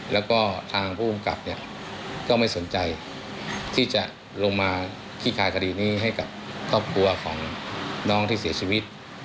แล้วก็ทางผู้กำกับเนี่ยก็ไม่สนใจที่จะลงมาขี้คายคดีนี้ให้กับครอบครัวของน้องที่เสียชีวิต